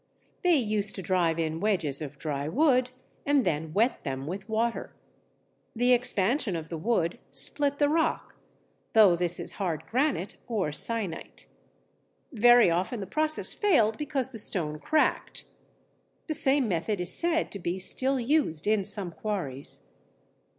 They used to drive in wedges of dry wood and then wet them with water. The expansion of the wood split the rock, though this is hard granite or syenite. Very often the process failed because the stone cracked. The same method is said to be still used in some quarries.